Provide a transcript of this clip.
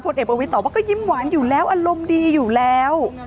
เอกประวิทย์ตอบว่าก็ยิ้มหวานอยู่แล้วอารมณ์ดีอยู่แล้ว